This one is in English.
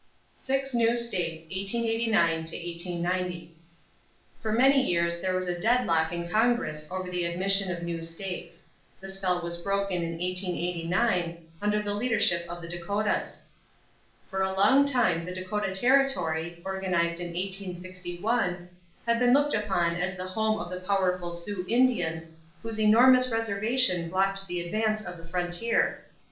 =Six New States (1889 1890).= For many years there was a deadlock in Congress over the admission of new states. The spell was broken in 1889 under the leadership of the Dakotas. For a long time the Dakota territory, organized in 1861, had been looked upon as the home of the powerful Sioux Indians whose enormous reservation blocked the advance of the frontier.